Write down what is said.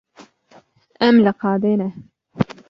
Em li qadê ne.